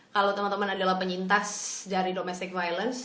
kalau teman teman adalah penyintas dari domestic violence